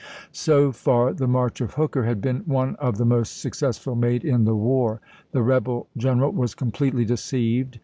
So far the march of Hooker had been one of the most successful made in the war. The rebel gen eral was completely deceived.